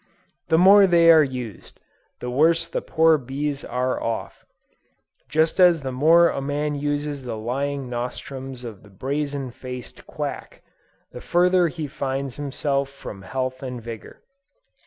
The more they are used, the worse the poor bees are off: just as the more a man uses the lying nostrums of the brazen faced quack, the further he finds himself from health and vigor.